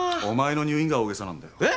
お前の入院が大げさなんだよ。